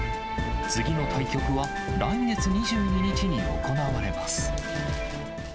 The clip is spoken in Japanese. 次の対局は来月２２日に行われます。